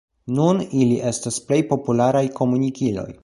Nun ili estas plej popularaj komunikiloj.